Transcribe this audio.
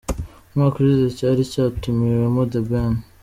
Umwaka ushize cyari cyatumiwemo The Ben.